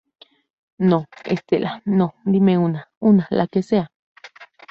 no, Estela, no. dime una, una, la que sea.